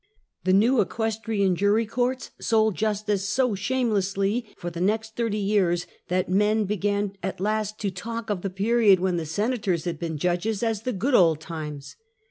The new equestrian jury courts sold justice so shamelessly, for the next thirty years, that men began at last to talk of the period when the senators had been judges as the good old times.